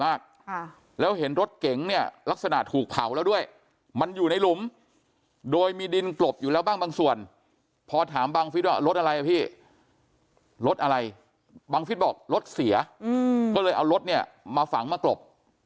มากค่ะแล้วเห็นรถเก๋งเนี่ยลักษณะถูกเผาแล้วด้วยมันอยู่ในหลุมโดยมีดินกลบอยู่แล้วบ้างบางส่วนพอถามบังฟิศว่ารถอะไรอ่ะพี่รถอะไรบังฟิศบอกรถเสียอืมก็เลยเอารถเนี่ยมาฝังมากลบ